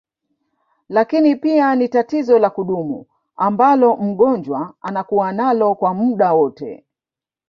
Lakini pia ni tatizo la kudumu ambalo mgonjwa anakua nalo kwa muda wote